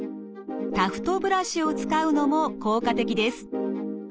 タフトブラシを使うのも効果的です。